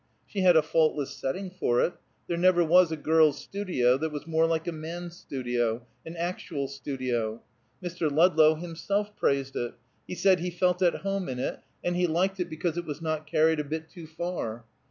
She had a faultless setting for it. There never was a girl's studio that was more like a man's studio, an actual studio. Mr. Ludlow himself praised it; he said he felt at home in it, and he liked it because it was not carried a bit too far.